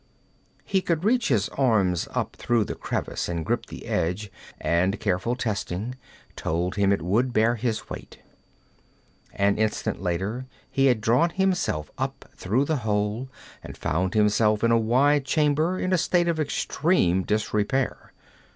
He could reach his arms up through the crevice and grip the edge, and careful testing told him it would bear his weight. An instant later he had drawn himself up through the hole, and found himself in a wide chamber, in a state of extreme disrepair.